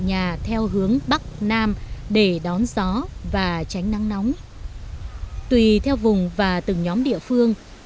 như anh đảng năng long